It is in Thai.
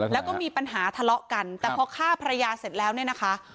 แล้วก็มีปัญหาทะเลาะกันแต่พอฆ่าภรรยาเสร็จแล้วเนี่ยนะคะ